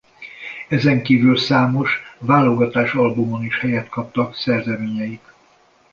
Ezen kívül számos válogatásalbumon is helyet kaptak szerzeményeik.